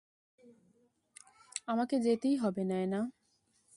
আমাকে যেতেই হবে, নায়না!